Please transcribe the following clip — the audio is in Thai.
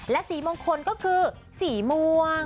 และสีมงคลก็คือสีม่วง